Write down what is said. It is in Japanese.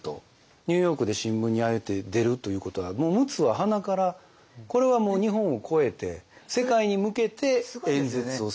ニューヨークで新聞にああやって出るということはもう陸奥ははなからこれはもう日本を越えて世界に向けて演説をする。